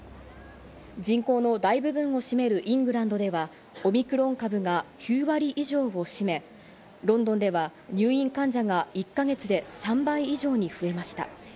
人口の大部分を占めるイングランドでは、オミクロン株が９割以上を占め、ロンドンでは入院患者が１か月で３倍以上に増えました。